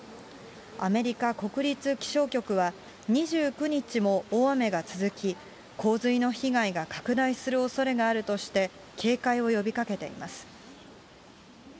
アメリカ国立気象局は、２９日も大雨が続き、洪水の被害が拡大するおそれがあるとして、警戒を呼びかけています。